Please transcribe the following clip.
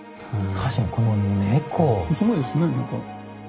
すごいですね猫。